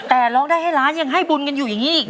แต่ร้องได้ให้ล้านยังให้บุญกันอยู่อย่างนี้อีก